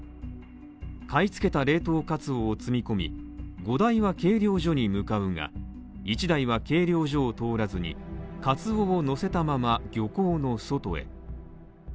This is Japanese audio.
買い付けた冷凍カツオを積み込み、５台は計量所に向かうが１台は計量所を通らずにカツオを乗せたまま、漁港の外へ。